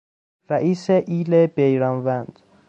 رئیس ایل بیران وند